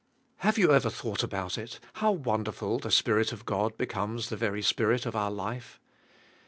Have you ever thought about it, how won derful the Spirit of God becomes the very spirit of our life.